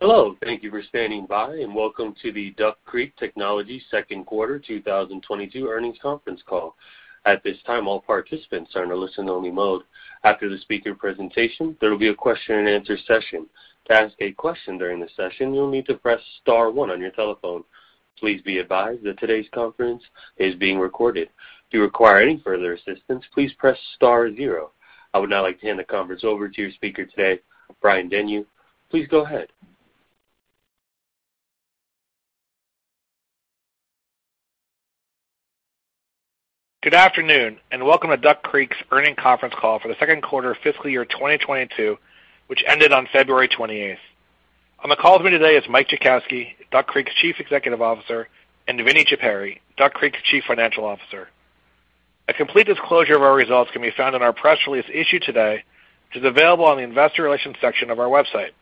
Hello, thank you for standing by, and welcome to the Duck Creek Technologies second quarter 2022 earnings conference call. At this time, all participants are in a listen only mode. After the speaker presentation, there will be a question and answer session. To ask a question during the session, you'll need to press star one on your telephone. Please be advised that today's conference is being recorded. If you require any further assistance, please press star zero. I would now like to hand the conference over to your speaker today, Brian Denyeau. Please go ahead. Good afternoon and welcome to Duck Creek's earnings conference call for the second quarter of fiscal year 2022, which ended on February 28. On the call with me today is Mike Jackowski, Duck Creek's Chief Executive Officer, and Vinny Chippari, Duck Creek's Chief Financial Officer. A complete disclosure of our results can be found in our press release issued today, which is available on the investor relations section of our website.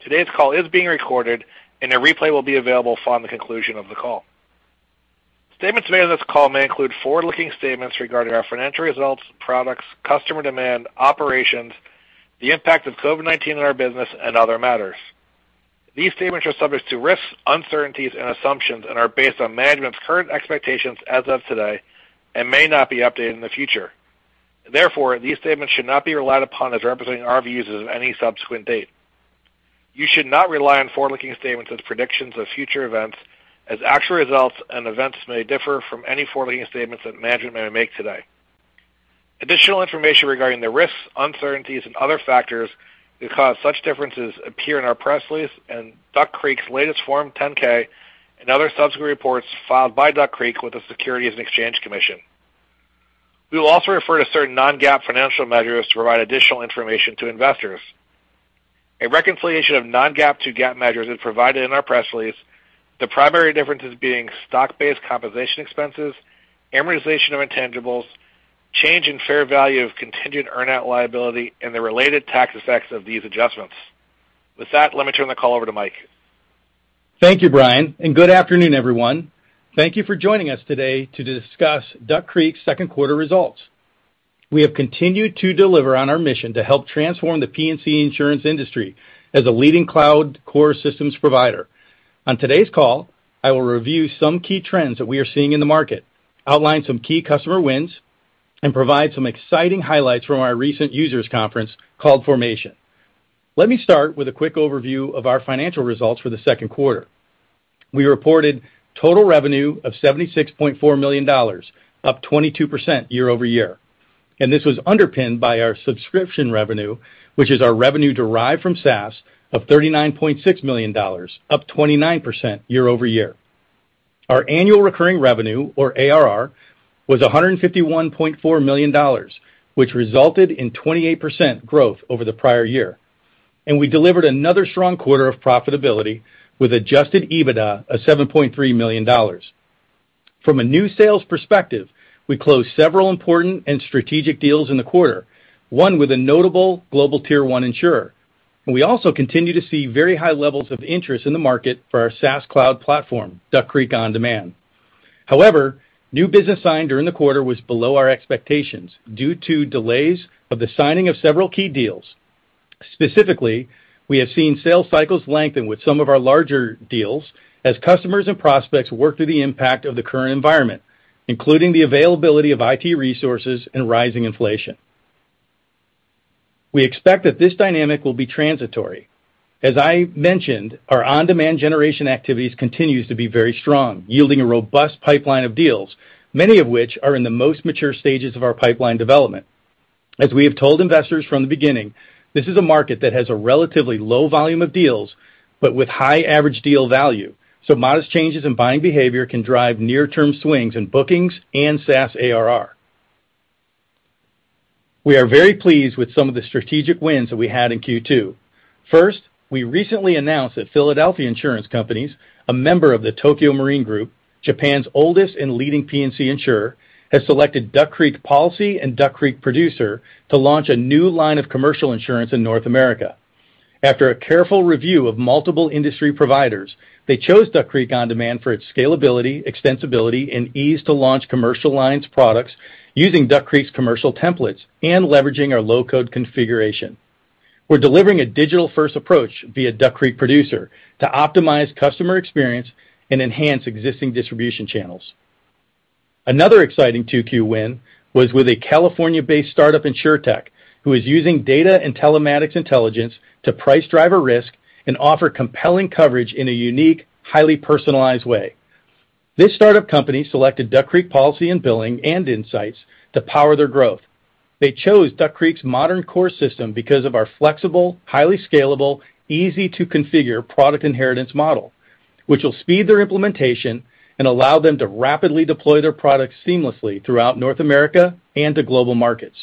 Today's call is being recorded and a replay will be available following the conclusion of the call. Statements made on this call may include forward-looking statements regarding our financial results, products, customer demand, operations, the impact of COVID-19 in our business and other matters. These statements are subject to risks, uncertainties, and assumptions and are based on management's current expectations as of today and may not be updated in the future. Therefore, these statements should not be relied upon as representing our views as of any subsequent date. You should not rely on forward-looking statements as predictions of future events as actual results and events may differ from any forward-looking statements that management may make today. Additional information regarding the risks, uncertainties and other factors that cause such differences appear in our press release and Duck Creek's latest Form 10-K and other subsequent reports filed by Duck Creek with the Securities and Exchange Commission. We will also refer to certain non-GAAP financial measures to provide additional information to investors. A reconciliation of non-GAAP to GAAP measures is provided in our press release, the primary differences being stock-based compensation expenses, amortization of intangibles, change in fair value of contingent earn-out liability, and the related tax effects of these adjustments. With that, let me turn the call over to Mike. Thank you, Brian, and good afternoon, everyone. Thank you for joining us today to discuss Duck Creek's second quarter results. We have continued to deliver on our mission to help transform the P&C insurance industry as a leading cloud core systems provider. On today's call, I will review some key trends that we are seeing in the market, outline some key customer wins, and provide some exciting highlights from our recent users conference called Formation. Let me start with a quick overview of our financial results for the second quarter. We reported total revenue of $76.4 million, up 22% year-over-year, and this was underpinned by our subscription revenue, which is our revenue derived from SaaS of $39.6 million, up 29% year-over-year. Our annual recurring revenue or ARR was $151.4 million, which resulted in 28% growth over the prior year. We delivered another strong quarter of profitability with adjusted EBITDA of $7.3 million. From a new sales perspective, we closed several important and strategic deals in the quarter, one with a notable global tier one insurer. We also continue to see very high levels of interest in the market for our SaaS cloud platform, Duck Creek OnDemand. However, new business signed during the quarter was below our expectations due to delays of the signing of several key deals. Specifically, we have seen sales cycles lengthen with some of our larger deals as customers and prospects work through the impact of the current environment, including the availability of IT resources and rising inflation. We expect that this dynamic will be transitory. As I mentioned, our on-demand generation activities continues to be very strong, yielding a robust pipeline of deals, many of which are in the most mature stages of our pipeline development. As we have told investors from the beginning, this is a market that has a relatively low volume of deals, but with high average deal value, so modest changes in buying behavior can drive near-term swings in bookings and SaaS ARR. We are very pleased with some of the strategic wins that we had in Q2. First, we recently announced that Philadelphia Insurance Companies, a member of the Tokio Marine Group, Japan's oldest and leading P&C insurer, has selected Duck Creek Policy and Duck Creek Producer to launch a new line of commercial insurance in North America. After a careful review of multiple industry providers, they chose Duck Creek OnDemand for its scalability, extensibility, and ease to launch commercial lines products using Duck Creek's commercial templates and leveraging our low-code configuration. We're delivering a digital-first approach via Duck Creek Producer to optimize customer experience and enhance existing distribution channels. Another exciting 2Q win was with a California-based startup insurtech, who is using data and telematics intelligence to price driver risk and offer compelling coverage in a unique, highly personalized way. This startup company selected Duck Creek Policy and Billing and Insights to power their growth. They chose Duck Creek's modern core system because of our flexible, highly scalable, easy-to-configure product inheritance model, which will speed their implementation and allow them to rapidly deploy their products seamlessly throughout North America and to global markets.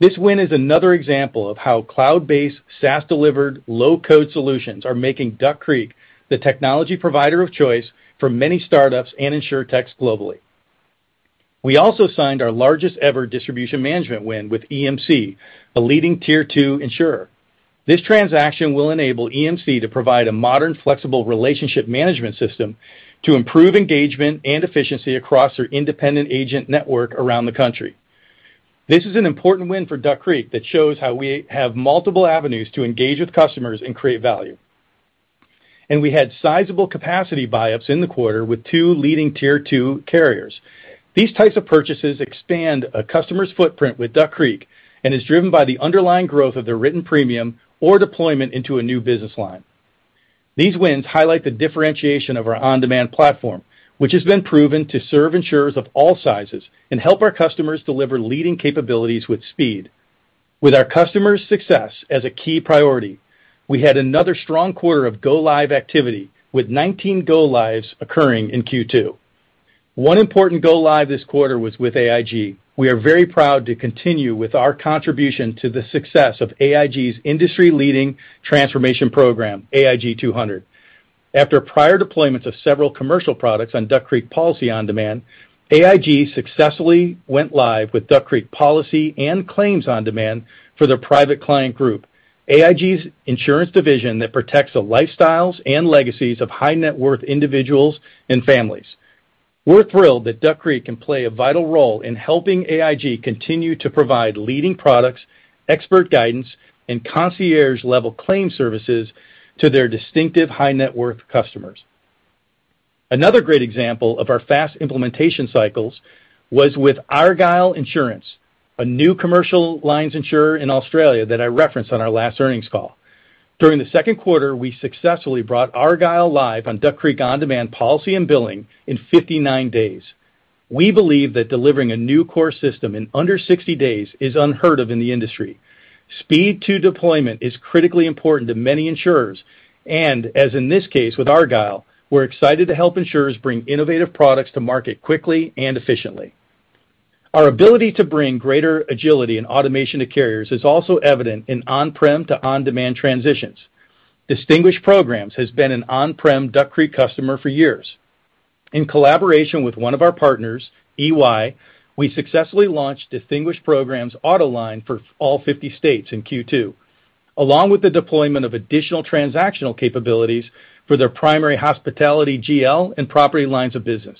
This win is another example of how cloud-based, SaaS-delivered, low-code solutions are making Duck Creek the technology provider of choice for many startups and insurtechs globally. We also signed our largest ever distribution management win with EMC, a leading tier two insurer. This transaction will enable EMC to provide a modern, flexible relationship management system to improve engagement and efficiency across their independent agent network around the country. This is an important win for Duck Creek that shows how we have multiple avenues to engage with customers and create value. We had sizable capacity buyups in the quarter with two leading tier two carriers. These types of purchases expand a customer's footprint with Duck Creek and is driven by the underlying growth of their written premium or deployment into a new business line. These wins highlight the differentiation of our OnDemand platform, which has been proven to serve insurers of all sizes and help our customers deliver leading capabilities with speed. With our customers' success as a key priority, we had another strong quarter of go-live activity, with 19 go-lives occurring in Q2. One important go-live this quarter was with AIG. We are very proud to continue with our contribution to the success of AIG's industry-leading transformation program, AIG 200. After prior deployments of several commercial products on Duck Creek Policy OnDemand, AIG successfully went live with Duck Creek Policy and Claims OnDemand for their private client group, AIG's insurance division that protects the lifestyles and legacies of high-net-worth individuals and families. We're thrilled that Duck Creek can play a vital role in helping AIG continue to provide leading products, expert guidance, and concierge-level claim services to their distinctive high-net-worth customers. Another great example of our fast implementation cycles was with Argyle Insurance, a new commercial lines insurer in Australia that I referenced on our last earnings call. During the second quarter, we successfully brought Argyle live on Duck Creek OnDemand Policy and Billing in 59 days. We believe that delivering a new core system in under 60 days is unheard of in the industry. Speed to deployment is critically important to many insurers, and as in this case with Argyle, we're excited to help insurers bring innovative products to market quickly and efficiently. Our ability to bring greater agility and automation to carriers is also evident in on-prem to on-demand transitions. Distinguished Programs has been an on-prem Duck Creek customer for years. In collaboration with one of our partners, EY, we successfully launched Distinguished Programs Auto Line for all 50 states in Q2, along with the deployment of additional transactional capabilities for their primary hospitality GL and property lines of business.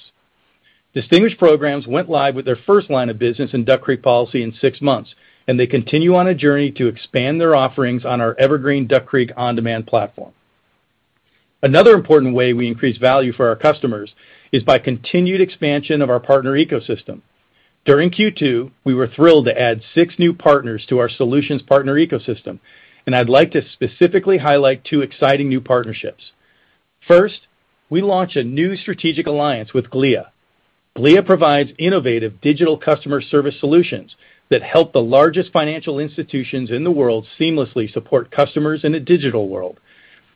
Distinguished Programs went live with their first line of business in Duck Creek Policy in six months, and they continue on a journey to expand their offerings on our evergreen Duck Creek OnDemand platform. Another important way we increase value for our customers is by continued expansion of our partner ecosystem. During Q2, we were thrilled to add six new partners to our solutions partner ecosystem, and I'd like to specifically highlight two exciting new partnerships. First, we launched a new strategic alliance with Glia. Glia provides innovative digital customer service solutions that help the largest financial institutions in the world seamlessly support customers in a digital world.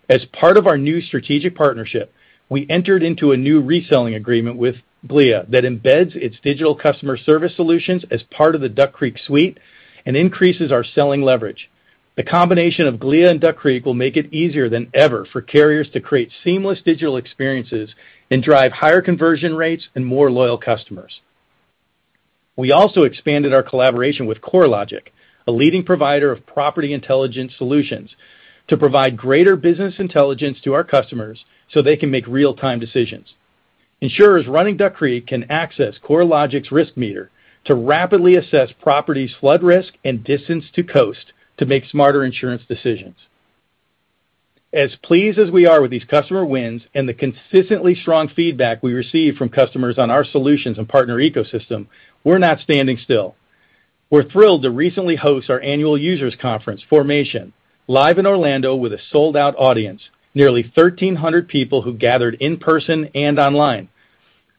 As part of our new strategic partnership, we entered into a new reselling agreement with Glia that embeds its digital customer service solutions as part of the Duck Creek suite and increases our selling leverage. The combination of Glia and Duck Creek will make it easier than ever for carriers to create seamless digital experiences and drive higher conversion rates and more loyal customers. We also expanded our collaboration with CoreLogic, a leading provider of property intelligence solutions, to provide greater business intelligence to our customers so they can make real-time decisions. Insurers running Duck Creek can access CoreLogic's RiskMeter to rapidly assess property's flood risk and distance to coast to make smarter insurance decisions. As pleased as we are with these customer wins and the consistently strong feedback we receive from customers on our solutions and partner ecosystem, we're not standing still. We're thrilled to recently host our annual users conference, Formation, live in Orlando with a sold-out audience, nearly 1,300 people who gathered in person and online.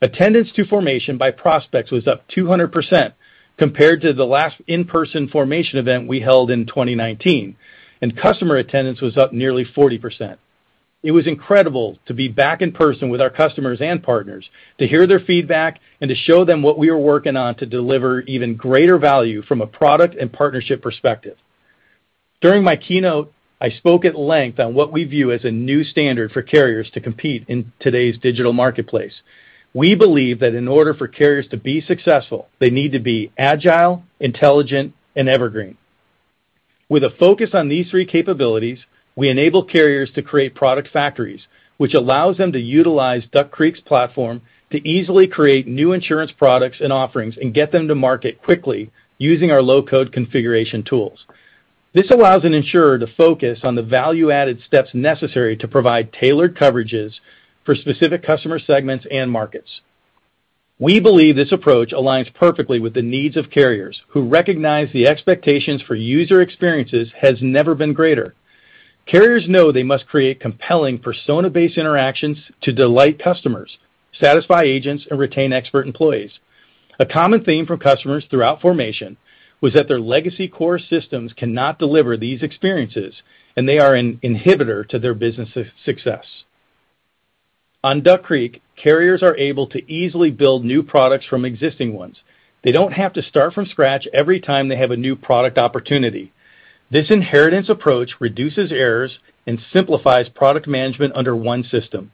Attendance to Formation by prospects was up 200% compared to the last in-person Formation event we held in 2019, and customer attendance was up nearly 40%. It was incredible to be back in person with our customers and partners to hear their feedback and to show them what we are working on to deliver even greater value from a product and partnership perspective. During my keynote, I spoke at length on what we view as a new standard for carriers to compete in today's digital marketplace. We believe that in order for carriers to be successful, they need to be agile, intelligent and evergreen. With a focus on these three capabilities, we enable carriers to create product factories, which allows them to utilize Duck Creek's platform to easily create new insurance products and offerings and get them to market quickly using our low-code configuration tools. This allows an insurer to focus on the value-added steps necessary to provide tailored coverages for specific customer segments and markets. We believe this approach aligns perfectly with the needs of carriers who recognize the expectations for user experiences has never been greater. Carriers know they must create compelling persona-based interactions to delight customers, satisfy agents and retain expert employees. A common theme from customers throughout Formation was that their legacy core systems cannot deliver these experiences, and they are an inhibitor to their business success. On Duck Creek, carriers are able to easily build new products from existing ones. They don't have to start from scratch every time they have a new product opportunity. This inheritance approach reduces errors and simplifies product management under one system.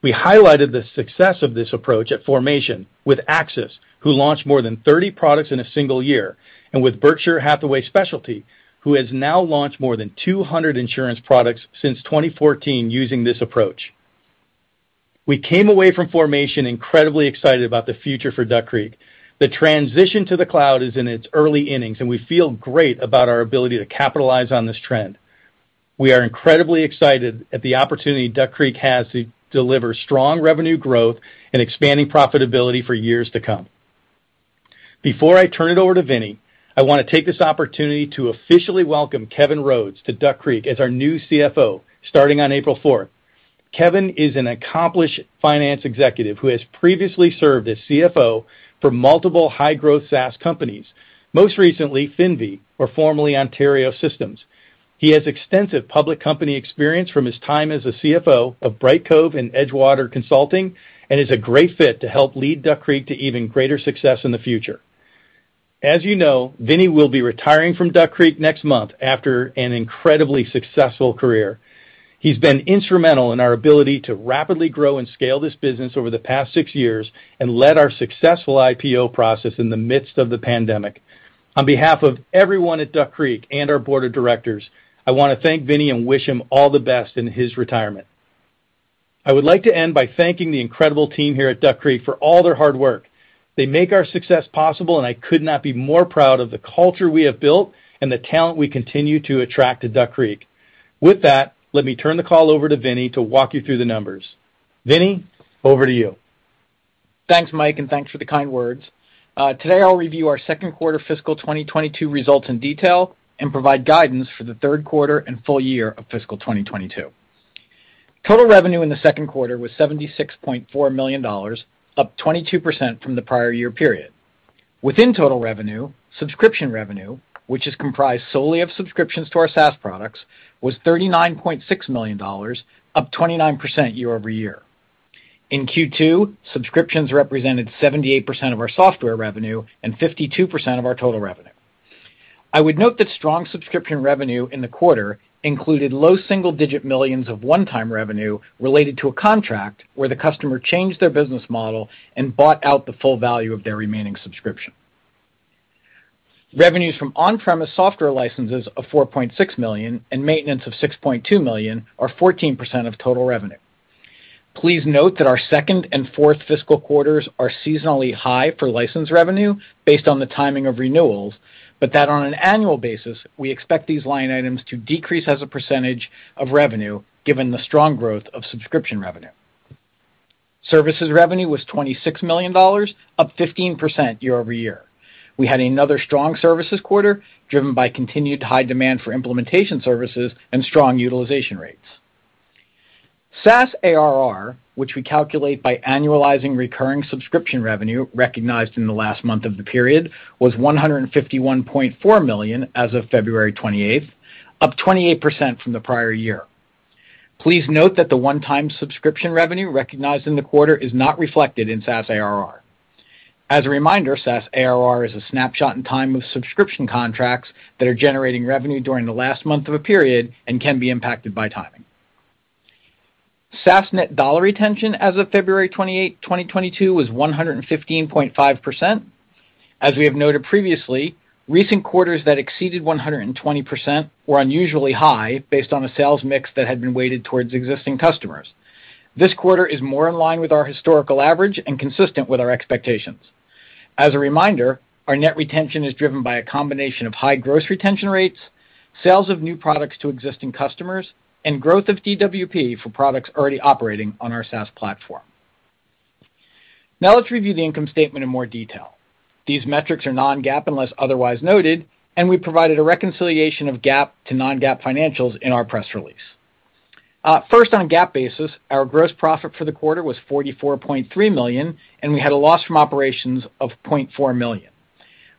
We highlighted the success of this approach at Formation with AXIS, who launched more than 30 products in a single year, and with Berkshire Hathaway Specialty, who has now launched more than 200 insurance products since 2014 using this approach. We came away from Formation incredibly excited about the future for Duck Creek. The transition to the cloud is in its early innings, and we feel great about our ability to capitalize on this trend. We are incredibly excited at the opportunity Duck Creek has to deliver strong revenue growth and expanding profitability for years to come. Before I turn it over to Vinny, I wanna take this opportunity to officially welcome Kevin Rhodes to Duck Creek as our new CFO starting on April fourth. Kevin is an accomplished finance executive who has previously served as CFO for multiple high-growth SaaS companies, most recently Finvi, or formerly Ontario Systems. He has extensive public company experience from his time as a CFO of Brightcove and Edgewater Consulting, and is a great fit to help lead Duck Creek to even greater success in the future. As you know, Vinny will be retiring from Duck Creek next month after an incredibly successful career. He's been instrumental in our ability to rapidly grow and scale this business over the past six years and led our successful IPO process in the midst of the pandemic. On behalf of everyone at Duck Creek and our board of directors, I wanna thank Vinny and wish him all the best in his retirement. I would like to end by thanking the incredible team here at Duck Creek for all their hard work. They make our success possible, and I could not be more proud of the culture we have built and the talent we continue to attract to Duck Creek. With that, let me turn the call over to Vinny to walk you through the numbers. Vinny, over to you. Thanks, Mike, and thanks for the kind words. Today, I'll review our second quarter fiscal 2022 results in detail and provide guidance for the third quarter and full year of fiscal 2022. Total revenue in the second quarter was $76.4 million, up 22% from the prior year period. Within total revenue, subscription revenue, which is comprised solely of subscriptions to our SaaS products, was $39.6 million, up 29% year over year. In Q2, subscriptions represented 78% of our software revenue and 52% of our total revenue. I would note that strong subscription revenue in the quarter included low single-digit millions of one-time revenue related to a contract where the customer changed their business model and bought out the full value of their remaining subscription. Revenues from on-premise software licenses of $4.6 million and maintenance of $6.2 million are 14% of total revenue. Please note that our second and fourth fiscal quarters are seasonally high for license revenue based on the timing of renewals, but that on an annual basis, we expect these line items to decrease as a percentage of revenue given the strong growth of subscription revenue. Services revenue was $26 million, up 15% year-over-year. We had another strong services quarter, driven by continued high demand for implementation services and strong utilization rates. SaaS ARR, which we calculate by annualizing recurring subscription revenue recognized in the last month of the period, was $151.4 million as of February 28, up 28% from the prior year. Please note that the one-time subscription revenue recognized in the quarter is not reflected in SaaS ARR. As a reminder, SaaS ARR is a snapshot in time of subscription contracts that are generating revenue during the last month of a period and can be impacted by timing. SaaS net dollar retention as of February 28, 2022 was 115.5%. As we have noted previously, recent quarters that exceeded 120% were unusually high based on a sales mix that had been weighted towards existing customers. This quarter is more in line with our historical average and consistent with our expectations. As a reminder, our net retention is driven by a combination of high gross retention rates, sales of new products to existing customers, and growth of DWP for products already operating on our SaaS platform. Now let's review the income statement in more detail. These metrics are non-GAAP unless otherwise noted, and we provided a reconciliation of GAAP to non-GAAP financials in our press release. First, on GAAP basis, our gross profit for the quarter was $44.3 million, and we had a loss from operations of $0.4 million.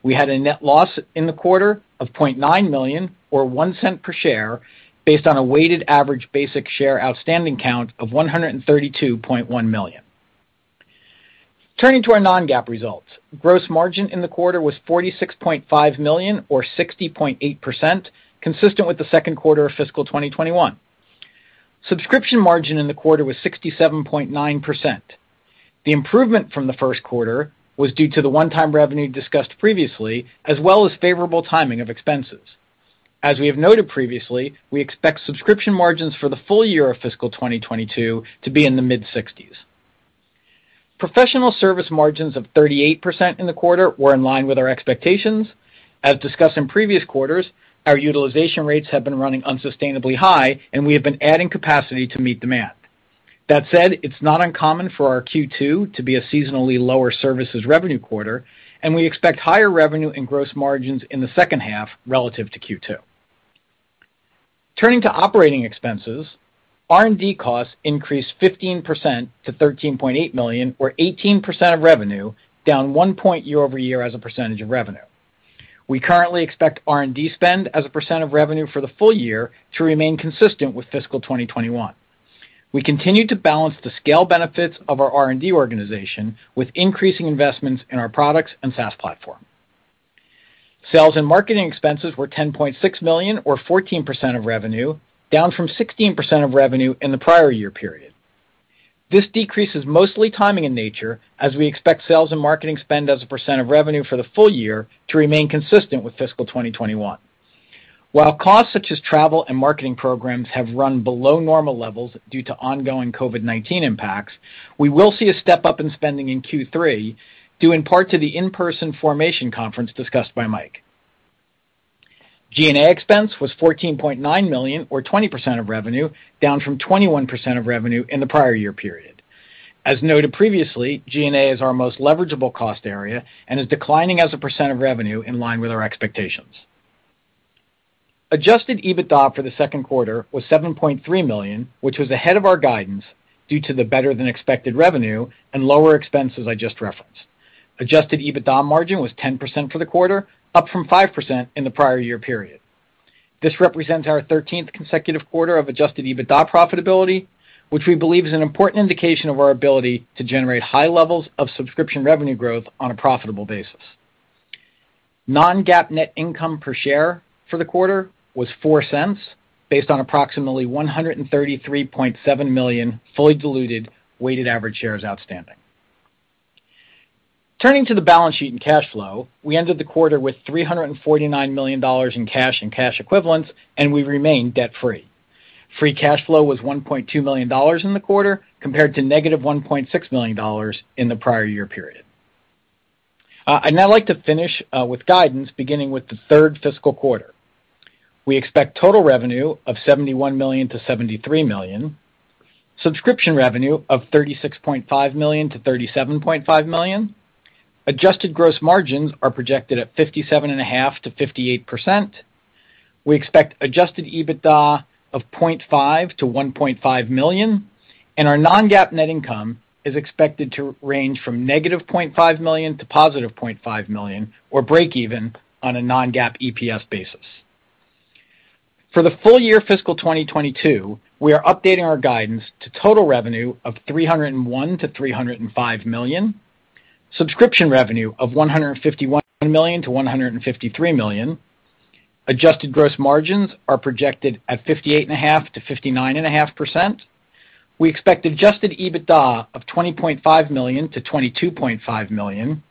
We had a net loss in the quarter of $0.9 million or $0.01 per share based on a weighted average basic share outstanding count of 132.1 million. Turning to our non-GAAP results. Gross margin in the quarter was $46.5 million or 60.8%, consistent with the second quarter of fiscal 2021. Subscription margin in the quarter was 67.9%. The improvement from the first quarter was due to the one-time revenue discussed previously, as well as favorable timing of expenses. As we have noted previously, we expect subscription margins for the full year of fiscal 2022 to be in the mid-60s%. Professional service margins of 38% in the quarter were in line with our expectations. As discussed in previous quarters, our utilization rates have been running unsustainably high, and we have been adding capacity to meet demand. That said, it's not uncommon for our Q2 to be a seasonally lower services revenue quarter, and we expect higher revenue and gross margins in the second half relative to Q2. Turning to operating expenses, R&D costs increased 15% to $13.8 million or 18% of revenue, down 1 point year-over-year as a percentage of revenue. We currently expect R&D spend as a % of revenue for the full year to remain consistent with fiscal 2021. We continue to balance the scale benefits of our R&D organization with increasing investments in our products and SaaS platform. Sales and marketing expenses were $10.6 million or 14% of revenue, down from 16% of revenue in the prior year period. This decrease is mostly timing in nature, as we expect sales and marketing spend as a percent of revenue for the full year to remain consistent with fiscal 2021. While costs such as travel and marketing programs have run below normal levels due to ongoing COVID-19 impacts, we will see a step-up in spending in Q3, due in part to the in-person Formation conference discussed by Mike. G&A expense was $14.9 million or 20% of revenue, down from 21% of revenue in the prior year period. As noted previously, G&A is our most leverageable cost area and is declining as a percent of revenue in line with our expectations. Adjusted EBITDA for the second quarter was $7.3 million, which was ahead of our guidance due to the better-than-expected revenue and lower expenses I just referenced. Adjusted EBITDA margin was 10% for the quarter, up from 5% in the prior year period. This represents our 13th consecutive quarter of adjusted EBITDA profitability, which we believe is an important indication of our ability to generate high levels of subscription revenue growth on a profitable basis. Non-GAAP net income per share for the quarter was $0.04 based on approximately 133.7 million fully diluted weighted average shares outstanding. Turning to the balance sheet and cash flow. We ended the quarter with $349 million in cash and cash equivalents, and we remain debt-free. Free cash flow was $1.2 million in the quarter compared to -$1.6 million in the prior year period. I'd now like to finish with guidance, beginning with the third fiscal quarter. We expect total revenue of $71 million-$73 million, subscription revenue of $36.5 million-$37.5 million. Adjusted gross margins are projected at 57.5%-58%. We expect adjusted EBITDA of $0.5 million-$1.5 million, and our non-GAAP net income is expected to range from -$0.5 million to +$0.5 million or breakeven on a non-GAAP EPS basis. For the full year fiscal 2022, we are updating our guidance to total revenue of $301 million-$305 million, subscription revenue of $151 million-$153 million. Adjusted gross margins are projected at 58.5%-59.5%. We expect adjusted EBITDA of $20.5 million-$22.5 million,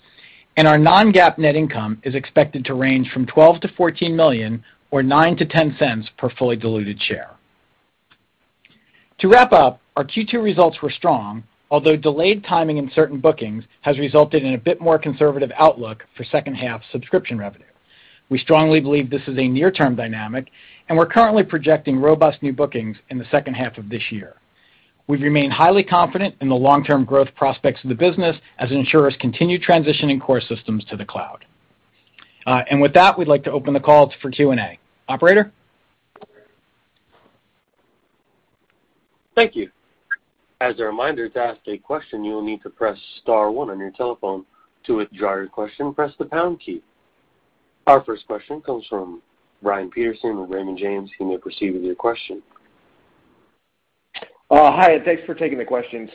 and our non-GAAP net income is expected to range from $12 million-$14 million or 9-10 cents per fully diluted share. To wrap up, our Q2 results were strong, although delayed timing in certain bookings has resulted in a bit more conservative outlook for second half subscription revenue. We strongly believe this is a near-term dynamic, and we're currently projecting robust new bookings in the second half of this year. We remain highly confident in the long-term growth prospects of the business as insurers continue transitioning core systems to the cloud. With that, we'd like to open the call for Q&A. Operator? Thank you. As a reminder, to ask a question, you will need to press star one on your telephone. To withdraw your question, press the pound key. Our first question comes from Brian Peterson with Raymond James. You may proceed with your question. Hi, thanks for taking the question.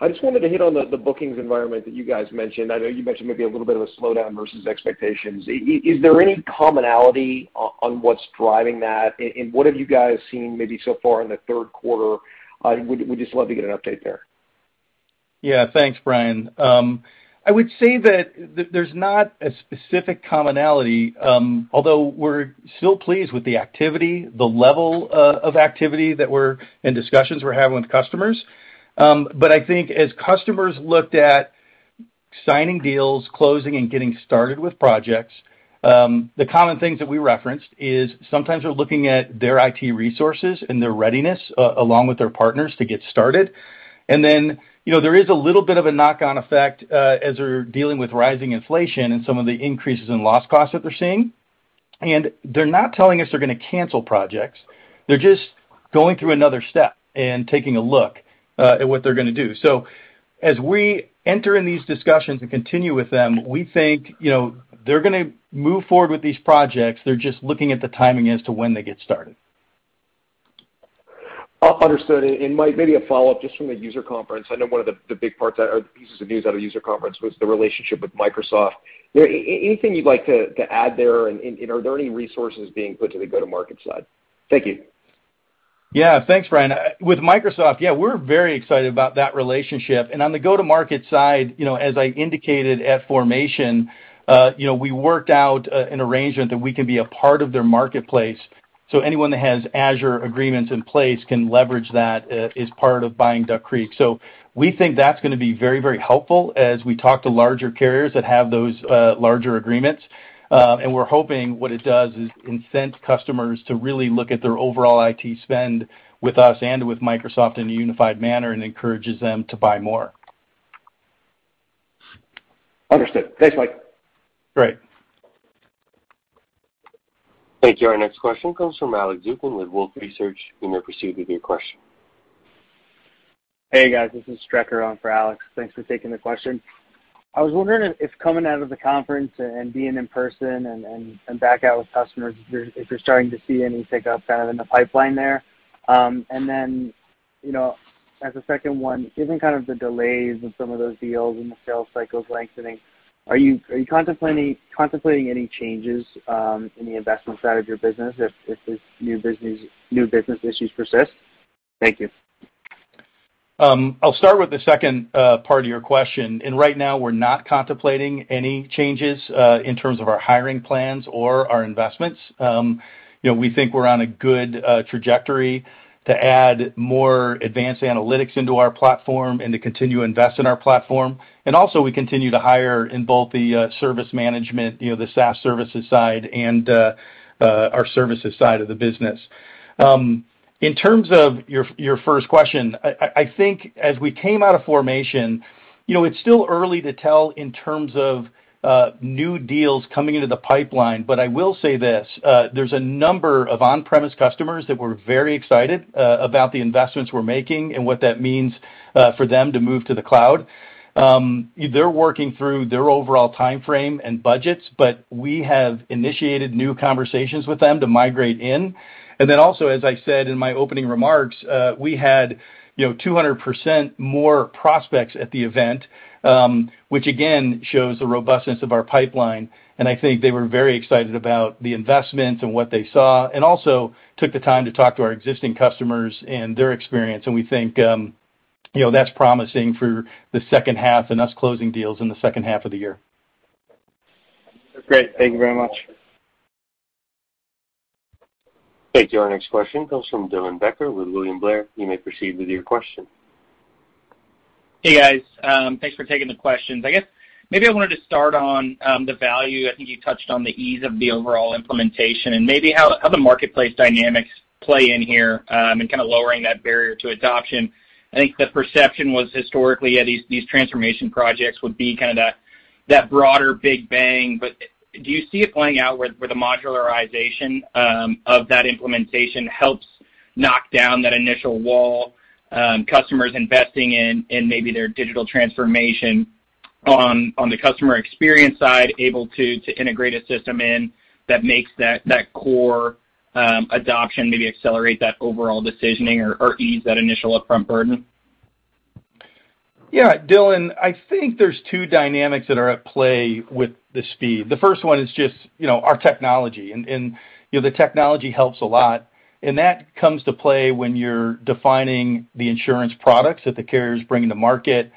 I just wanted to hit on the bookings environment that you guys mentioned. I know you mentioned maybe a little bit of a slowdown versus expectations. Is there any commonality on what's driving that? What have you guys seen maybe so far in the third quarter? We'd just love to get an update there. Yeah. Thanks, Brian. I would say that there's not a specific commonality, although we're still pleased with the activity, the level of activity and discussions we're having with customers. I think as customers looked at signing deals, closing, and getting started with projects, the common things that we referenced is sometimes they're looking at their IT resources and their readiness along with their partners to get started. Then, you know, there is a little bit of a knock-on effect, as they're dealing with rising inflation and some of the increases in loss costs that they're seeing. They're not telling us they're gonna cancel projects. They're just going through another step and taking a look at what they're gonna do. As we enter in these discussions and continue with them, we think, you know, they're gonna move forward with these projects. They're just looking at the timing as to when they get started. Understood. Mike, maybe a follow-up just from the user conference. I know one of the big parts or pieces of news out of user conference was the relationship with Microsoft. Is there anything you'd like to add there, and are there any resources being put to the go-to-market side? Thank you. Yeah. Thanks, Brian. With Microsoft, yeah, we're very excited about that relationship. On the go-to-market side, you know, as I indicated at Formation, you know, we worked out an arrangement that we can be a part of their marketplace. Anyone that has Azure agreements in place can leverage that as part of buying Duck Creek. We think that's gonna be very, very helpful as we talk to larger carriers that have those larger agreements. We're hoping what it does is incent customers to really look at their overall IT spend with us and with Microsoft in a unified manner and encourages them to buy more. Understood. Thanks, Mike. Great. Thank you. Our next question comes from Alex Zukin with Wolfe Research. You may proceed with your question. Hey, guys. This is Strecker on for Alex. Thanks for taking the question. I was wondering if coming out of the conference and being in person and back out with customers, if you're starting to see any uptick kind of in the pipeline there. You know, as a second one, given kind of the delays in some of those deals and the sales cycles lengthening, are you contemplating any changes in the investment side of your business if these new business issues persist? Thank you. I'll start with the second part of your question. Right now, we're not contemplating any changes in terms of our hiring plans or our investments. You know, we think we're on a good trajectory to add more advanced analytics into our platform and to continue to invest in our platform. Also, we continue to hire in both the service management, you know, the SaaS services side and our services side of the business. In terms of your first question, I think as we came out of Formation, you know, it's still early to tell in terms of new deals coming into the pipeline, but I will say this, there's a number of on-premise customers that were very excited about the investments we're making and what that means for them to move to the cloud. They're working through their overall timeframe and budgets, but we have initiated new conversations with them to migrate in. Then also, as I said in my opening remarks, we had, you know, 200% more prospects at the event, which again, shows the robustness of our pipeline. I think they were very excited about the investment and what they saw, and also took the time to talk to our existing customers and their experience. We think, you know, that's promising for the second half and us closing deals in the second half of the year. Great. Thank you very much. Thank you. Our next question comes from Dylan Becker with William Blair. You may proceed with your question. Hey, guys. Thanks for taking the questions. I guess maybe I wanted to start on the value. I think you touched on the ease of the overall implementation and maybe how the marketplace dynamics play in here in kind of lowering that barrier to adoption. I think the perception was historically, yeah, these transformation projects would be kind of that broader big bang. Do you see it playing out where the modularization of that implementation helps knock down that initial wall, customers investing in maybe their digital transformation on the customer experience side, able to integrate a system in that makes that core adoption maybe accelerate that overall decisioning or ease that initial upfront burden? Yeah, Dylan, I think there's two dynamics that are at play with the speed. The first one is just, you know, our technology. And you know, the technology helps a lot. That comes to play when you're defining the insurance products that the carriers bring to market,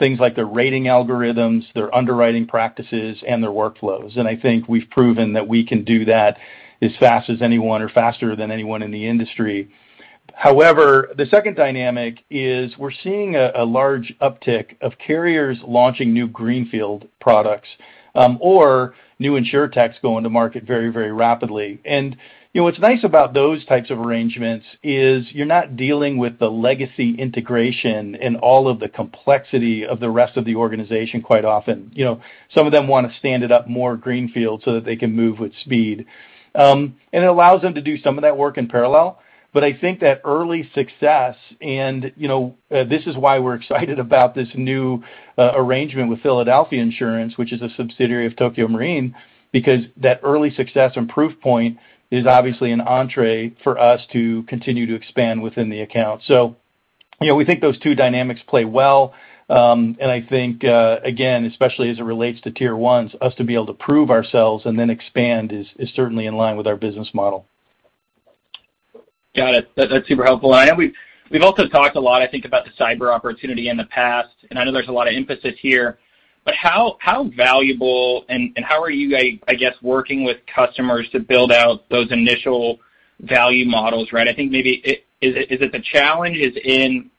things like their rating algorithms, their underwriting practices, and their workflows. I think we've proven that we can do that as fast as anyone or faster than anyone in the industry. However, the second dynamic is we're seeing a large uptick of carriers launching new greenfield products, or new insurtechs going to market very, very rapidly. You know, what's nice about those types of arrangements is you're not dealing with the legacy integration and all of the complexity of the rest of the organization quite often. You know, some of them wanna stand it up more greenfield so that they can move with speed. It allows them to do some of that work in parallel. But I think that early success and, you know, this is why we're excited about this new arrangement with Philadelphia Insurance, which is a subsidiary of Tokio Marine, because that early success and proof point is obviously an entrée for us to continue to expand within the account. You know, we think those two dynamics play well. I think, again, especially as it relates to tier ones, for us to be able to prove ourselves and then expand is certainly in line with our business model. Got it. That's super helpful. I know we've also talked a lot, I think, about the cyber opportunity in the past, and I know there's a lot of emphasis here. How valuable and how are you guys working with customers to build out those initial value models, right? I think maybe it is the challenge in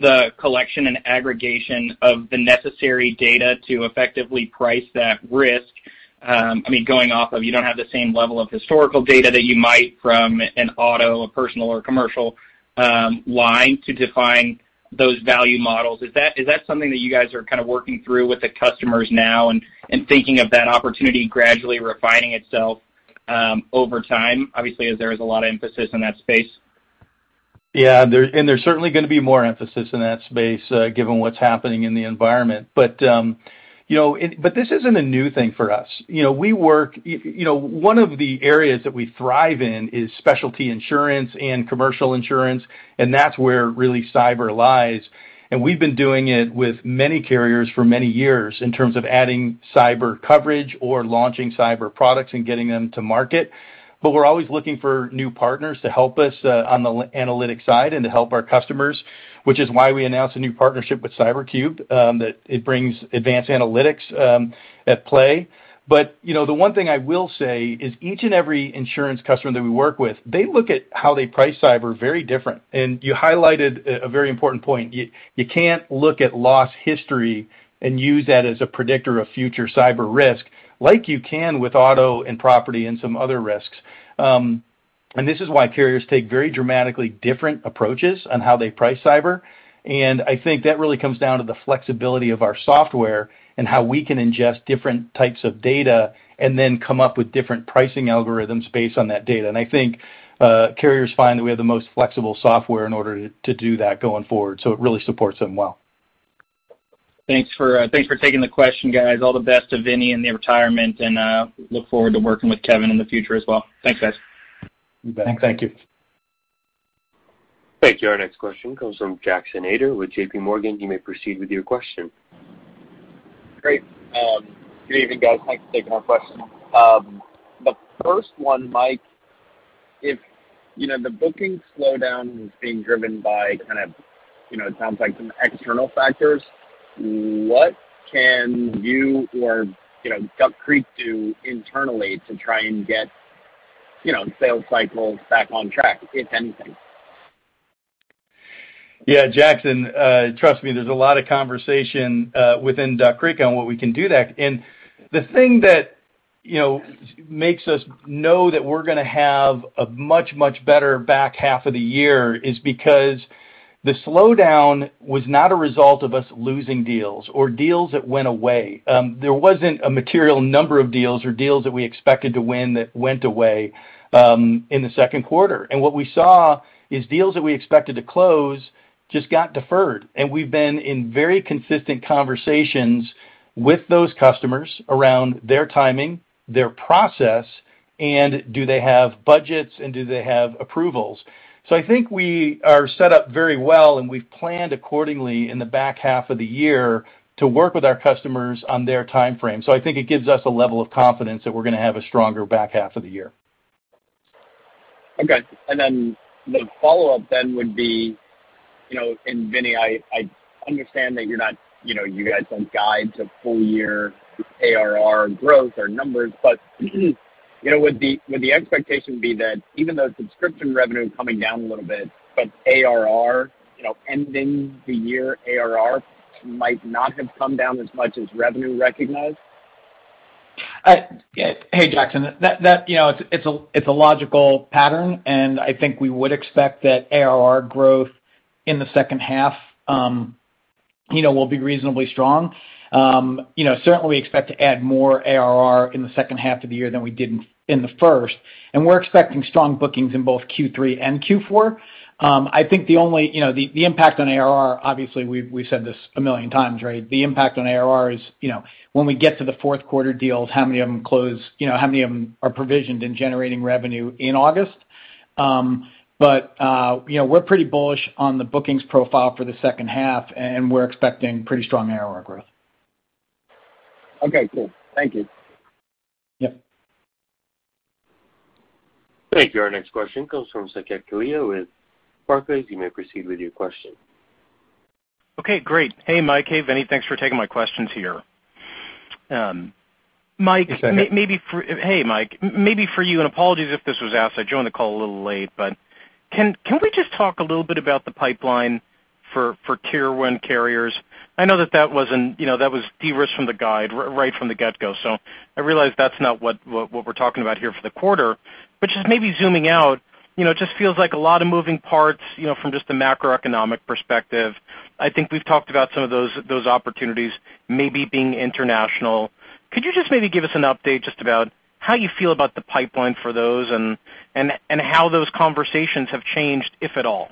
the collection and aggregation of the necessary data to effectively price that risk? I mean, going off of you don't have the same level of historical data that you might from an auto, a personal or commercial line to define those value models. Is that something that you guys are kind of working through with the customers now and thinking of that opportunity gradually refining itself over time? Obviously, as there is a lot of emphasis in that space. Yeah. There's certainly gonna be more emphasis in that space, given what's happening in the environment. You know, this isn't a new thing for us. You know, one of the areas that we thrive in is specialty insurance and commercial insurance, and that's where really cyber lies. We've been doing it with many carriers for many years in terms of adding cyber coverage or launching cyber products and getting them to market. We're always looking for new partners to help us on the analytic side and to help our customers, which is why we announced a new partnership with CyberCube that it brings advanced analytics into play. You know, the one thing I will say is each and every insurance customer that we work with, they look at how they price cyber very different. You highlighted a very important point. You can't look at loss history and use that as a predictor of future cyber risk like you can with auto and property and some other risks. This is why carriers take very dramatically different approaches on how they price cyber. I think that really comes down to the flexibility of our software and how we can ingest different types of data and then come up with different pricing algorithms based on that data. I think carriers find that we have the most flexible software in order to do that going forward, so it really supports them well. Thanks for taking the question, guys. All the best to Vinnie in their retirement, and I look forward to working with Kevin in the future as well. Thanks, guys. You bet. Thank you. Our next question comes from Jackson Ader with J.P. Morgan. You may proceed with your question. Great. Good evening, guys. Thanks for taking my questions. The first one, Mike, if, you know, the booking slowdown is being driven by kind of, you know, it sounds like some external factors, what can you or, you know, Duck Creek do internally to try and get, you know, the sales cycle back on track, if anything? Yeah, Jackson, trust me, there's a lot of conversation within Duck Creek on what we can do there. The thing that, you know, makes us know that we're gonna have a much, much better back half of the year is because the slowdown was not a result of us losing deals or deals that went away. There wasn't a material number of deals or deals that we expected to win that went away in the second quarter. What we saw is deals that we expected to close just got deferred, and we've been in very consistent conversations with those customers around their timing, their process, and do they have budgets, and do they have approvals. I think we are set up very well, and we've planned accordingly in the back half of the year to work with our customers on their timeframe. I think it gives us a level of confidence that we're gonna have a stronger back half of the year. Okay. The follow-up then would be, you know, Vinnie, I understand that you're not, you know, you guys don't guide to full year ARR growth or numbers. You know, would the expectation be that even though subscription revenue is coming down a little bit, ARR, you know, ending the year ARR might not have come down as much as revenue recognized? Yeah. Hey, Jackson, that you know, it's a logical pattern, and I think we would expect that ARR growth in the second half you know, will be reasonably strong. You know, certainly we expect to add more ARR in the second half of the year than we did in the first, and we're expecting strong bookings in both Q3 and Q4. I think the only impact on ARR, obviously we've said this a million times, right? The impact on ARR is you know, when we get to the fourth quarter deals, how many of them close, you know, how many of them are provisioned and generating revenue in August. But you know, we're pretty bullish on the bookings profile for the second half, and we're expecting pretty strong ARR growth. Okay, cool. Thank you. Yep. Thank you. Our next question comes from Saket Kalia with Barclays. You may proceed with your question. Okay, great. Hey, Mike. Hey, Vinnie. Thanks for taking my questions here. Mike- You betcha. Hey, Mike, maybe for you, and apologies if this was asked, I joined the call a little late. Can we just talk a little bit about the pipeline for tier one carriers? I know that wasn't, you know, that was de-risked from the guide right from the get-go, so I realize that's not what we're talking about here for the quarter. Just maybe zooming out, you know, it just feels like a lot of moving parts, you know, from just the macroeconomic perspective. I think we've talked about some of those opportunities maybe being international. Could you just maybe give us an update just about how you feel about the pipeline for those and how those conversations have changed, if at all?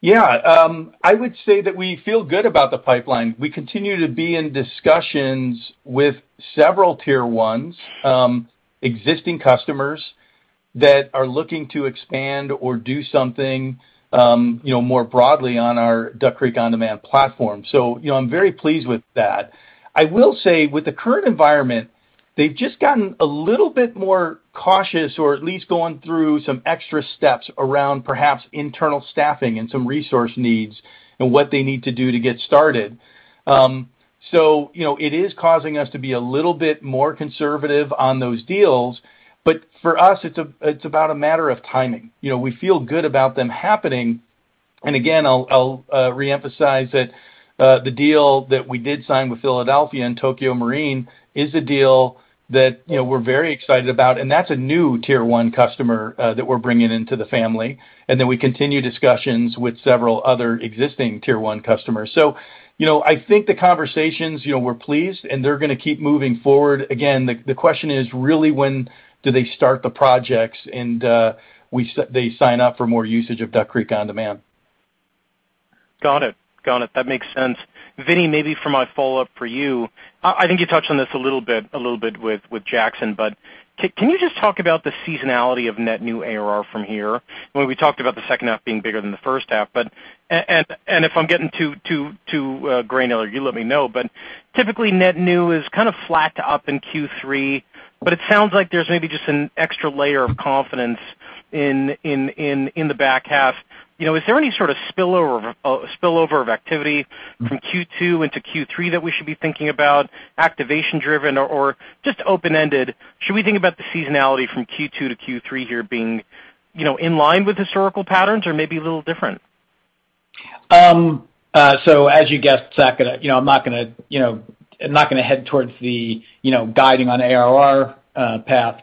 Yeah. I would say that we feel good about the pipeline. We continue to be in discussions with several tier ones, existing customers that are looking to expand or do something, you know, more broadly on our Duck Creek OnDemand platform. You know, I'm very pleased with that. I will say with the current environment, they've just gotten a little bit more cautious or at least going through some extra steps around perhaps internal staffing and some resource needs and what they need to do to get started. You know, it is causing us to be a little bit more conservative on those deals. But for us, it's about a matter of timing. You know, we feel good about them happening, and again, I'll reemphasize that, the deal that we did sign with Philadelphia and Tokio Marine is a deal that, you know, we're very excited about, and that's a new tier one customer that we're bringing into the family. We continue discussions with several other existing tier one customers. You know, I think the conversations, you know, we're pleased, and they're gonna keep moving forward. Again, the question is really when do they start the projects and they sign up for more usage of Duck Creek OnDemand. Got it. That makes sense. Vinnie, maybe for my follow-up for you, I think you touched on this a little bit with Jackson, but can you just talk about the seasonality of net new ARR from here? When we talked about the second half being bigger than the first half, but if I'm getting too granular, you let me know. But typically, net new is kind of flat to up in Q3, but it sounds like there's maybe just an extra layer of confidence in the back half. You know, is there any sort of spillover of activity from Q2 into Q3 that we should be thinking about, activation driven or just open-ended? Should we think about the seasonality from Q2 to Q3 here being, you know, in line with historical patterns or maybe a little different? As you guessed, Saket, you know, I'm not gonna head towards the, you know, guiding on ARR path.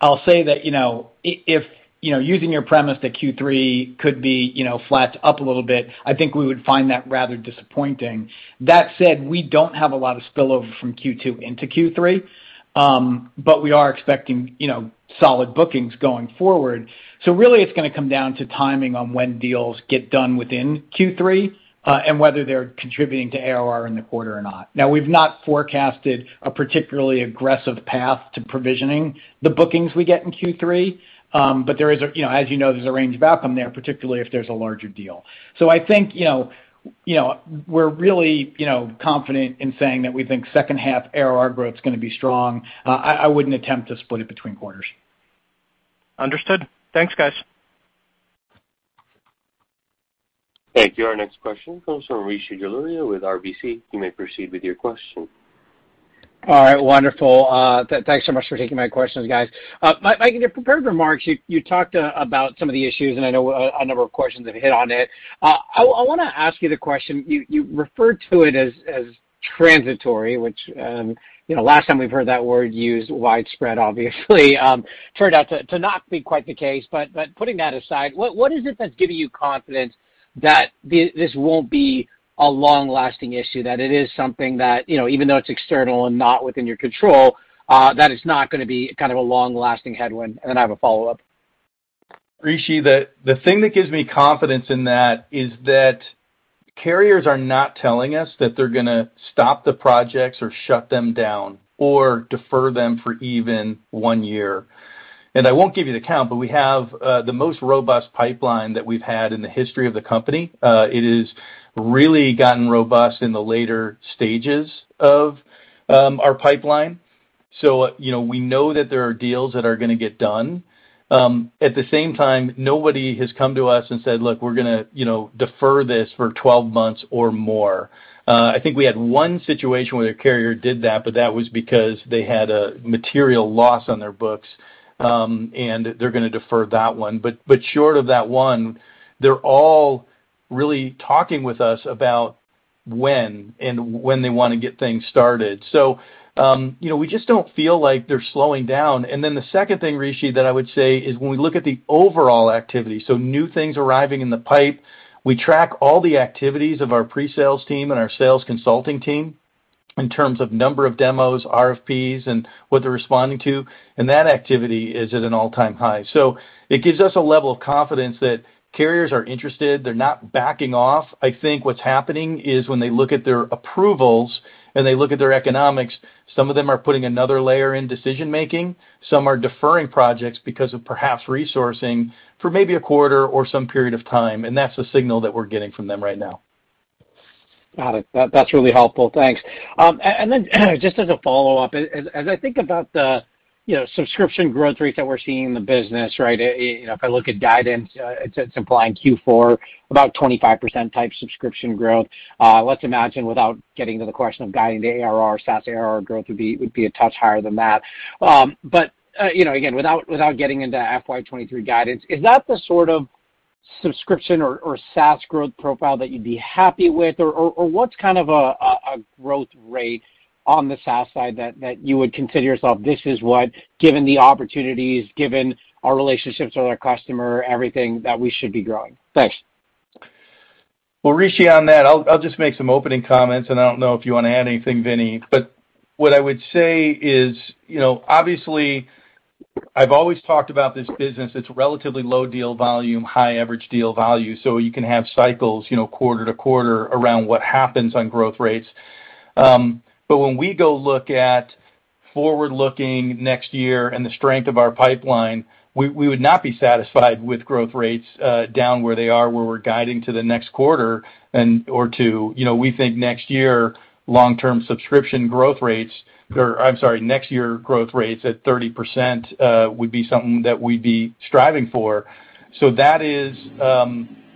I'll say that, you know, if, you know, using your premise that Q3 could be, you know, flat to up a little bit, I think we would find that rather disappointing. That said, we don't have a lot of spillover from Q2 into Q3. We are expecting, you know, solid bookings going forward. Really it's gonna come down to timing on when deals get done within Q3, and whether they're contributing to ARR in the quarter or not. We've not forecasted a particularly aggressive path to provisioning the bookings we get in Q3. There is a, you know, as you know, range of outcome there, particularly if there's a larger deal. I think, you know. You know, we're really, you know, confident in saying that we think second half ARR growth is gonna be strong. I wouldn't attempt to split it between quarters. Understood. Thanks, guys. Thank you. Our next question comes from Rishi Jaluria with RBC. You may proceed with your question. All right. Wonderful. Thanks so much for taking my questions, guys. Mike, in your prepared remarks, you talked about some of the issues, and I know a number of questions have hit on it. I wanna ask you the question. You referred to it as transitory, which, you know, last time we've heard that word used widespread, obviously, turned out to not be quite the case. Putting that aside, what is it that's giving you confidence that this won't be a long-lasting issue, that it is something that, you know, even though it's external and not within your control, that it's not gonna be kind of a long-lasting headwind? And then I have a follow-up. Rishi, the thing that gives me confidence in that is that carriers are not telling us that they're gonna stop the projects or shut them down or defer them for even one year. I won't give you the count, but we have the most robust pipeline that we've had in the history of the company. It has really gotten robust in the later stages of our pipeline. You know, we know that there are deals that are gonna get done. At the same time, nobody has come to us and said, "Look, we're gonna, you know, defer this for 12 months or more." I think we had one situation where a carrier did that, but that was because they had a material loss on their books, and they're gonna defer that one. Short of that one, they're all really talking with us about when they wanna get things started. You know, we just don't feel like they're slowing down. The second thing, Rishi, that I would say is when we look at the overall activity, so new things arriving in the pipe, we track all the activities of our pre-sales team and our sales consulting team in terms of number of demos, RFPs, and what they're responding to, and that activity is at an all-time high. It gives us a level of confidence that carriers are interested. They're not backing off. I think what's happening is when they look at their approvals and they look at their economics, some of them are putting another layer in decision-making. Some are deferring projects because of perhaps resourcing for maybe a quarter or some period of time, and that's the signal that we're getting from them right now. Got it. That's really helpful. Thanks. Just as a follow-up, as I think about the, you know, subscription growth rates that we're seeing in the business, right, you know, if I look at guidance, it's implying Q4 about 25% type subscription growth. Let's imagine without getting to the question of guiding the ARR, SaaS ARR growth would be a touch higher than that. You know, again, without getting into FY 2023 guidance, is that the sort of subscription or SaaS growth profile that you'd be happy with? Or what's kind of a growth rate on the SaaS side that you would consider yourself this is what, given the opportunities, given our relationships with our customer, everything, that we should be growing? Thanks. Well, Rishi, on that, I'll just make some opening comments, and I don't know if you wanna add anything, Vinnie. What I would say is, you know, obviously, I've always talked about this business. It's relatively low deal volume, high average deal value, so you can have cycles, you know, quarter to quarter around what happens on growth rates. When we go look at forward-looking next year and the strength of our pipeline, we would not be satisfied with growth rates down where they are, where we're guiding to the next quarter or two. You know, we think next year, I'm sorry, growth rates at 30% would be something that we'd be striving for. That is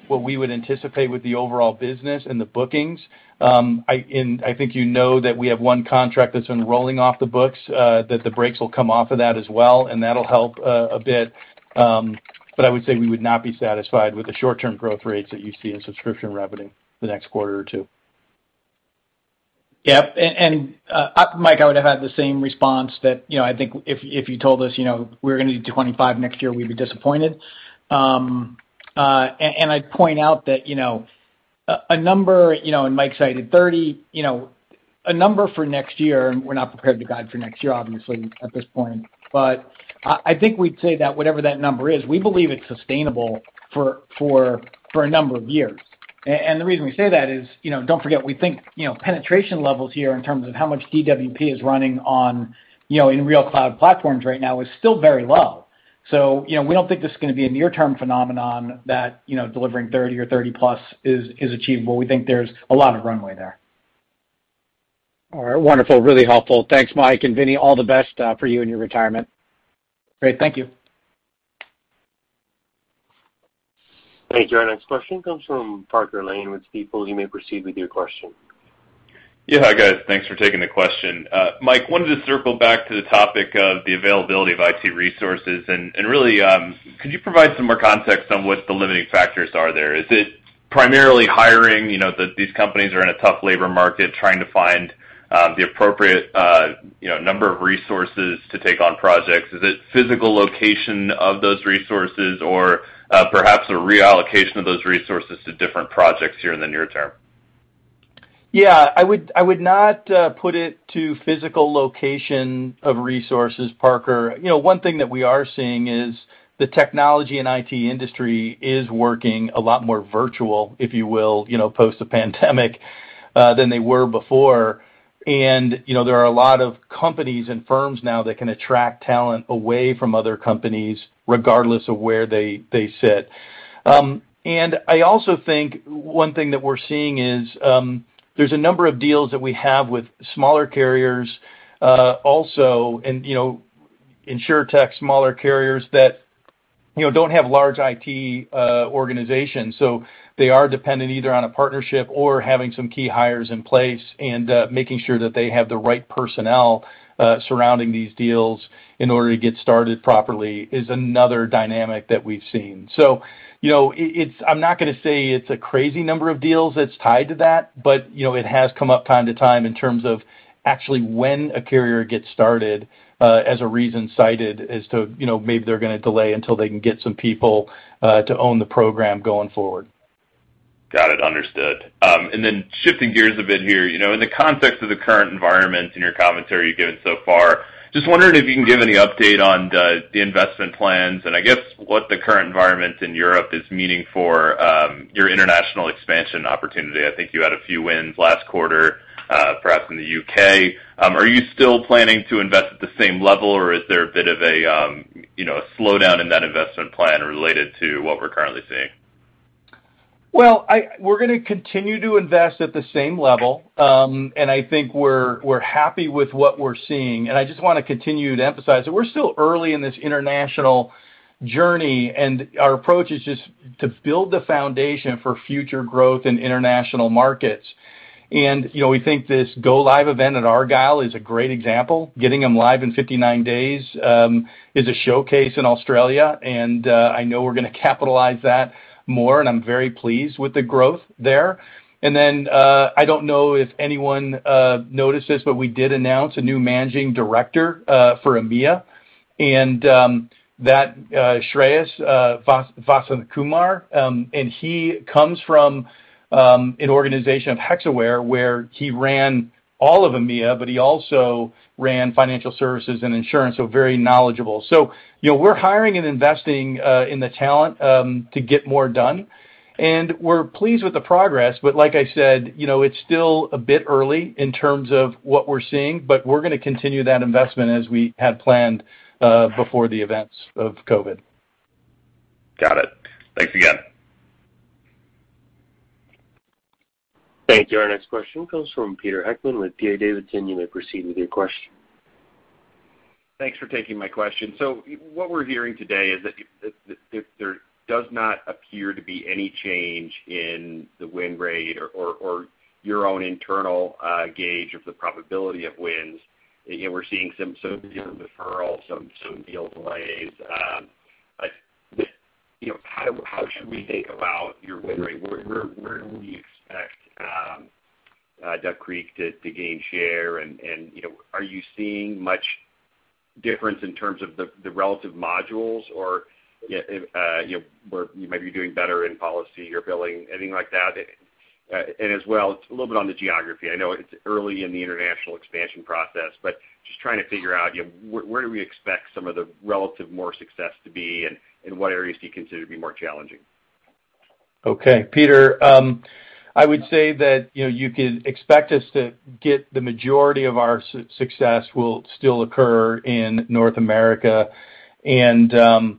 what we would anticipate with the overall business and the bookings. I... I think you know that we have one contract that's been rolling off the books, that the brakes will come off of that as well, and that'll help a bit. But I would say we would not be satisfied with the short-term growth rates that you see in subscription revenue the next quarter or two. Yep. Mike, I would have had the same response that, you know, I think if you told us, you know, we're gonna do 25% next year, we'd be disappointed. I'd point out that, you know, a number, you know, and Mike cited 30%, you know, a number for next year, and we're not prepared to guide for next year, obviously, at this point, but I think we'd say that whatever that number is, we believe it's sustainable for a number of years. The reason we say that is, you know, don't forget, we think, you know, penetration levels here in terms of how much DWP is running on, you know, in real cloud platforms right now is still very low. You know, we don't think this is gonna be a near-term phenomenon that, you know, delivering 30 or 30+ is achievable. We think there's a lot of runway there. All right. Wonderful. Really helpful. Thanks, Mike. Vinnie, all the best, for you in your retirement. Great. Thank you. Thank you. Our next question comes from Parker Lane with Stifel. You may proceed with your question. Yeah. Hi, guys. Thanks for taking the question. Mike, wanted to circle back to the topic of the availability of IT resources. Really, could you provide some more context on what the limiting factors are there? Is it primarily hiring, you know, that these companies are in a tough labor market trying to find the appropriate, you know, number of resources to take on projects? Is it physical location of those resources or perhaps a reallocation of those resources to different projects here in the near term? I would not put it to physical location of resources, Parker. You know, one thing that we are seeing is the technology and IT industry is working a lot more virtual, if you will, you know, post the pandemic than they were before. You know, there are a lot of companies and firms now that can attract talent away from other companies regardless of where they sit. I also think one thing that we're seeing is there's a number of deals that we have with smaller carriers also, and you know, insurtech smaller carriers that you know don't have large IT organizations. They are dependent either on a partnership or having some key hires in place and, making sure that they have the right personnel, surrounding these deals in order to get started properly is another dynamic that we've seen. You know, it's I'm not gonna say it's a crazy number of deals that's tied to that, but, you know, it has come up time to time in terms of actually when a carrier gets started, as a reason cited as to, you know, maybe they're gonna delay until they can get some people, to own the program going forward. Got it. Understood. Then shifting gears a bit here, you know, in the context of the current environment in your commentary you've given so far, just wondering if you can give any update on the investment plans and I guess what the current environment in Europe is meaning for, your international expansion opportunity. I think you had a few wins last quarter, perhaps in the U.K. Are you still planning to invest at the same level, or is there a bit of a, you know, a slowdown in that investment plan related to what we're currently seeing? We're gonna continue to invest at the same level. I think we're happy with what we're seeing. I just wanna continue to emphasize that we're still early in this international journey, and our approach is just to build the foundation for future growth in international markets. You know, we think this go live event at Argyle is a great example. Getting them live in 59 days is a showcase in Australia, and I know we're gonna capitalize that more, and I'm very pleased with the growth there. I don't know if anyone noticed this, but we did announce a new managing director for EMEA. that Shreyas Vasanthkumar and he comes from an organization of Hexaware where he ran all of EMEA, but he also ran financial services and insurance, so very knowledgeable. You know, we're hiring and investing in the talent to get more done, and we're pleased with the progress. Like I said, you know, it's still a bit early in terms of what we're seeing, but we're gonna continue that investment as we had planned before the events of COVID. Got it. Thanks again. Thank you. Our next question comes from Peter Heckmann with D.A. Davidson. You may proceed with your question. Thanks for taking my question. What we're hearing today is that that there does not appear to be any change in the win rate or your own internal gauge of the probability of wins. You know, we're seeing some deferral, some deal delays. You know, how should we think about your win rate? Where do we expect Duck Creek to gain share? And you know, are you seeing much difference in terms of the relative modules or you know, where you might be doing better in policy or billing, anything like that? As well, a little bit on the geography. I know it's early in the international expansion process, but just trying to figure out, you know, where do we expect some of the relative more success to be and what areas do you consider to be more challenging? Okay. Peter, I would say that, you know, you could expect us to get the majority of our success will still occur in North America. To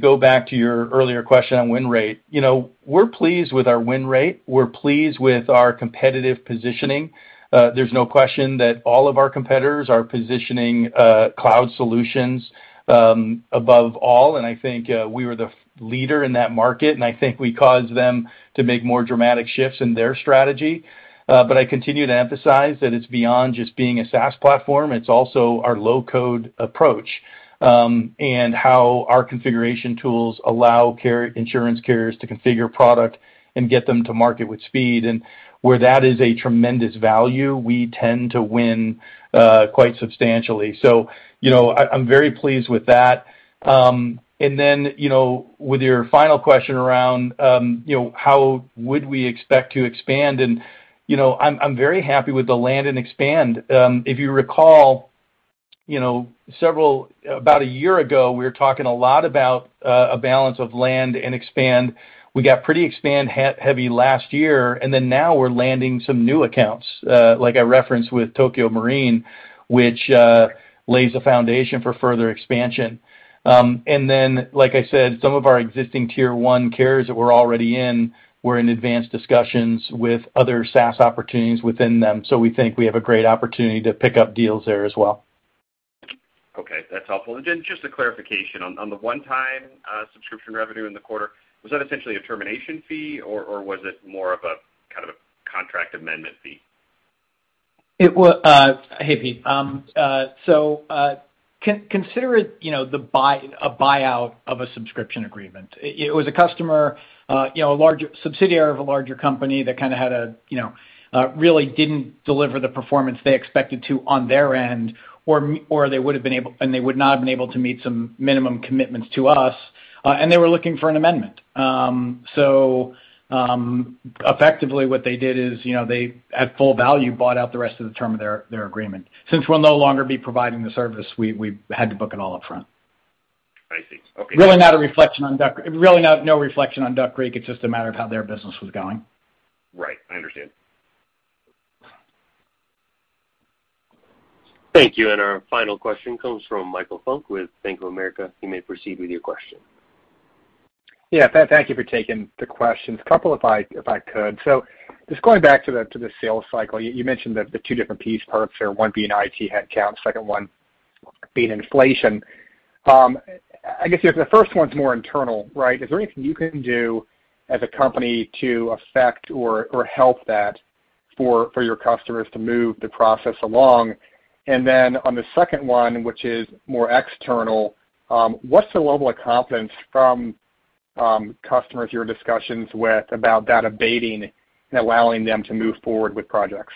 go back to your earlier question on win rate, you know, we're pleased with our win rate. We're pleased with our competitive positioning. There's no question that all of our competitors are positioning cloud solutions above all, and I think we were the leader in that market, and I think we caused them to make more dramatic shifts in their strategy. I continue to emphasize that it's beyond just being a SaaS platform. It's also our low-code approach, and how our configuration tools allow insurance carriers to configure product and get them to market with speed. Where that is a tremendous value, we tend to win quite substantially. You know, I'm very pleased with that. You know, with your final question around, you know, how would we expect to expand? You know, I'm very happy with the land and expand. If you recall, you know, about a year ago, we were talking a lot about a balance of land and expand. We got pretty expand-heavy last year, and now we're landing some new accounts, like I referenced with Tokio Marine, which lays a foundation for further expansion. Like I said, some of our existing tier one carriers that we're already in, we're in advanced discussions with other SaaS opportunities within them. We think we have a great opportunity to pick up deals there as well. Okay. That's helpful. Just a clarification. On the one-time subscription revenue in the quarter, was that essentially a termination fee, or was it more of a kind of a contract amendment fee? Hey, Pete. Consider it, you know, a buyout of a subscription agreement. It was a customer, you know, a larger subsidiary of a larger company that kind of, you know, really didn't deliver the performance they expected to on their end, or they would not have been able to meet some minimum commitments to us, and they were looking for an amendment. Effectively what they did is, you know, they at full value bought out the rest of the term of their agreement. Since we'll no longer be providing the service, we had to book it all up front. I see. Okay. Really not a reflection on Duck Creek, it's just a matter of how their business was going. Right. I understand. Thank you. Our final question comes from Michael Funk with Bank of America. You may proceed with your question. Yeah, thank you for taking the questions. A couple if I could. Just going back to the sales cycle, you mentioned the two different piece parts here, one being IT headcount, second one being inflation. I guess if the first one's more internal, right? Is there anything you can do as a company to affect or help that for your customers to move the process along? On the second one, which is more external, what's the level of confidence from customers, your discussions with about that abating and allowing them to move forward with projects?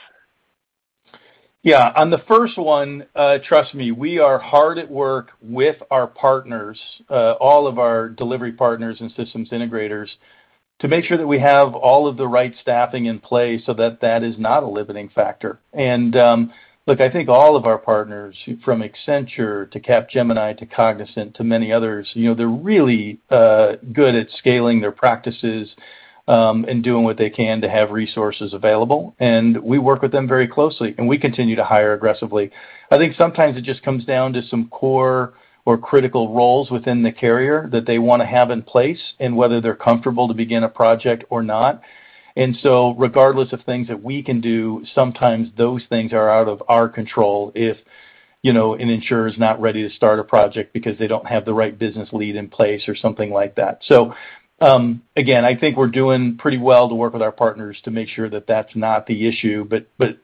Yeah. On the first one, trust me, we are hard at work with our partners, all of our delivery partners and systems integrators, to make sure that we have all of the right staffing in place so that that is not a limiting factor. Look, I think all of our partners, from Accenture to Capgemini, to Cognizant, to many others, you know, they're really good at scaling their practices, and doing what they can to have resources available. We work with them very closely, and we continue to hire aggressively. I think sometimes it just comes down to some core or critical roles within the carrier that they wanna have in place and whether they're comfortable to begin a project or not. Regardless of things that we can do, sometimes those things are out of our control if, you know, an insurer is not ready to start a project because they don't have the right business lead in place or something like that. Again, I think we're doing pretty well to work with our partners to make sure that that's not the issue.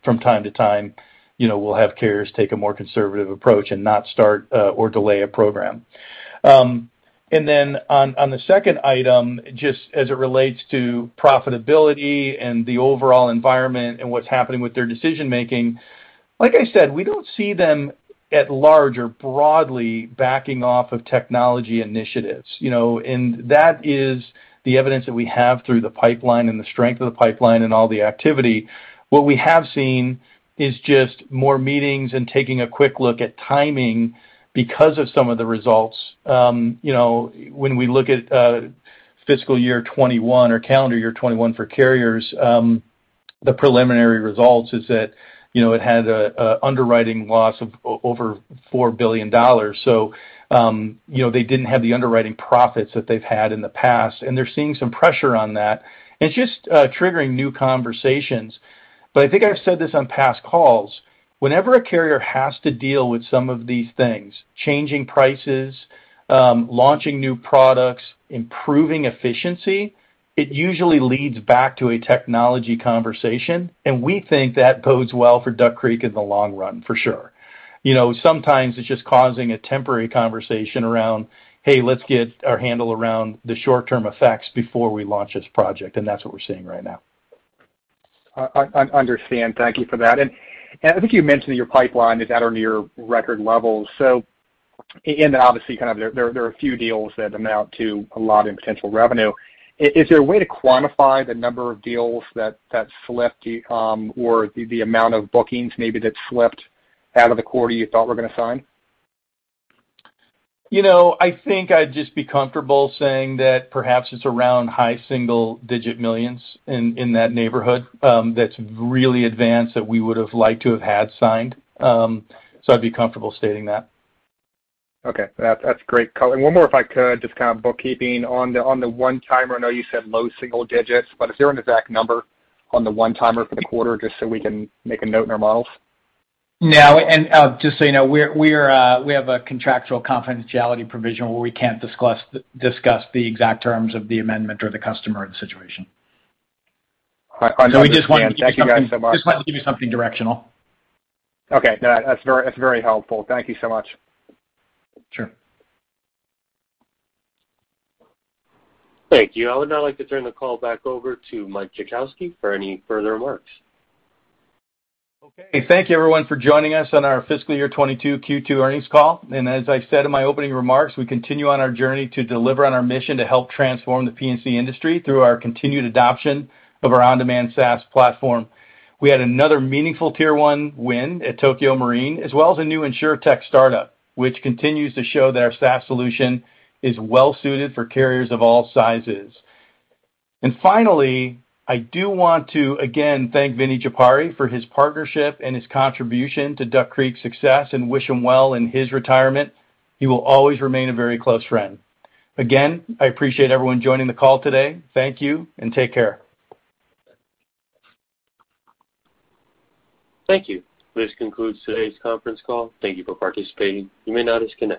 From time to time, you know, we'll have carriers take a more conservative approach and not start, or delay a program. Then on the second item, just as it relates to profitability and the overall environment and what's happening with their decision-making, like I said, we don't see them at large or broadly backing off of technology initiatives, you know. That is the evidence that we have through the pipeline and the strength of the pipeline and all the activity. What we have seen is just more meetings and taking a quick look at timing because of some of the results. When we look at fiscal year 2021 or calendar year 2021 for carriers, the preliminary results is that it had a underwriting loss of over $4 billion. They didn't have the underwriting profits that they've had in the past, and they're seeing some pressure on that. It's just triggering new conversations. I think I've said this on past calls. Whenever a carrier has to deal with some of these things, changing prices, launching new products, improving efficiency, it usually leads back to a technology conversation, and we think that bodes well for Duck Creek in the long run for sure. You know, sometimes it's just causing a temporary conversation around, "Hey, let's get our handle around the short-term effects before we launch this project," and that's what we're seeing right now. Understand. Thank you for that. I think you mentioned your pipeline is at or near record levels. Obviously, kind of there are a few deals that amount to a lot of potential revenue. Is there a way to quantify the number of deals that slipped or the amount of bookings maybe that slipped out of the quarter you thought were gonna sign? You know, I think I'd just be comfortable saying that perhaps it's around high single-digit $ millions in that neighborhood, that's really advanced that we would have liked to have had signed. I'd be comfortable stating that. Okay. That's great color. One more, if I could, just kind of bookkeeping. On the one-timer, I know you said low single digits, but is there an exact number on the one-timer for the quarter, just so we can make a note in our models? No. Just so you know, we have a contractual confidentiality provision where we can't discuss the exact terms of the amendment or the customer in the situation. I understand. Thank you guys so much. Just wanted to give you something directional. Okay. That's very helpful. Thank you so much. Sure. Thank you. I would now like to turn the call back over to Mike Jackowski for any further remarks. Okay. Thank you everyone for joining us on our fiscal year 2022 Q2 earnings call. As I said in my opening remarks, we continue on our journey to deliver on our mission to help transform the P&C industry through our continued adoption of our on-demand SaaS platform. We had another meaningful tier one win at Tokio Marine, as well as a new insurtech startup, which continues to show that our SaaS solution is well suited for carriers of all sizes. Finally, I do want to again thank Vinny Chippari for his partnership and his contribution to Duck Creek's success and wish him well in his retirement. He will always remain a very close friend. Again, I appreciate everyone joining the call today. Thank you, and take care. Thank you. This concludes today's conference call. Thank you for participating. You may now disconnect.